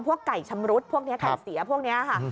ไก่ชำรุดพวกนี้ไก่เสียพวกนี้ค่ะ